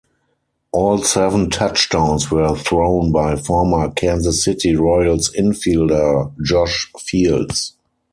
All seven touchdowns were thrown by former Kansas City Royals infielder Josh Fields.